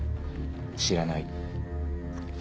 知らない？